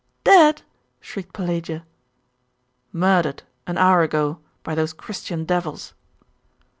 'Dead?' shrieked Pelagia. 'Murdered, an hour ago, by those Christian devils.